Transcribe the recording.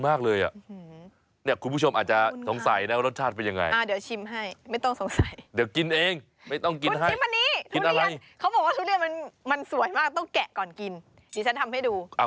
ข้าวเหนียวมะม่วงแล้วก็เดี๋ยวเราชิมไอศครีมที่เป็นรูปน้องหมา